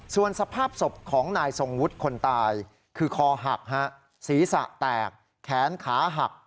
ส่วนสภาพศพของนายทรงวุฒิคนตายคือคอหักศีรษะแตกแขนขาหัก